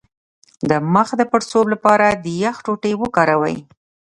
د مخ د پړسوب لپاره د یخ ټوټې وکاروئ